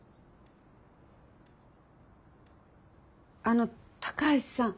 あの高橋さん。